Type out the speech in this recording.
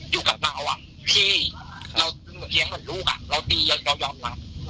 อยู่กับเราอ่ะที่เราเหี้ยงกับลูกอ่ะเรายอมหลับ